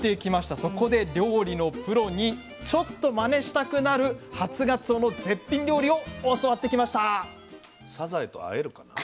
そこで料理のプロにちょっとまねしたくなる初がつおの絶品料理を教わってきました。